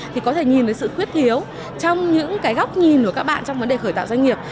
thì có thể nhìn thấy sự khuyết thiếu trong những góc nhìn của các bạn trong vấn đề khởi tạo doanh nghiệp